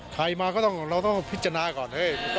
ใครมาก็ต้องเราต้องพิจารณาก่อน